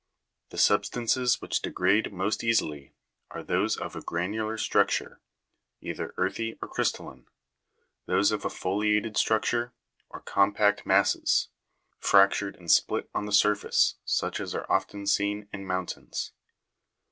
The substances which degrade most easily, are those of a granular structure, either earthy or crystalline ; those of a foliated structure ; or compact masses, fractured and split on the surface, such as are often seen in mountains.